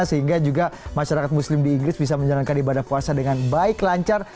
sehingga juga masyarakat muslim di inggris bisa menjalankan ibadah puasa dengan baik lancar